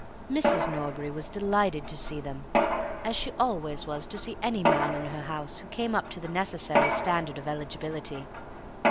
Mrs. Norbury was delighted to see them, as she always was to see any man in her house who came up to the necessary standard of eligibility.